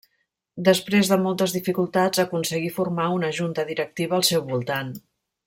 Després de moltes dificultats, aconseguí formar una junta directiva al seu voltant.